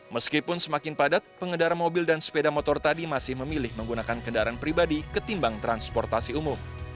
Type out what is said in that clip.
meskipun semakin padat pengendara mobil dan sepeda motor tadi masih memilih menggunakan kendaraan pribadi ketimbang transportasi umum